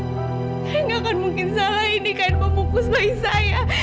saya nggak akan mungkin salah ini kain pembungkus bayi saya